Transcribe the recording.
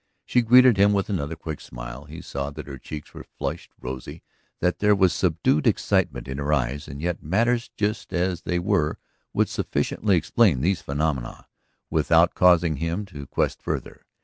She greeted him with another quick smile. He saw that her cheeks were flushed rosily, that there was subdued excitement in her eyes. And yet matters just as they were would sufficiently explain these phenomena without causing him to quest farther.